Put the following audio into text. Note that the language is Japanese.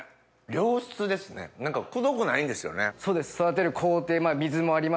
良質ですねくどくないんですよね。